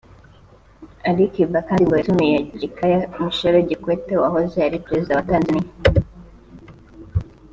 Ali Kiba kandi ngo yatumiye Jakaya Mrisho Kikwete wahoze ari Perezida wa Tanzania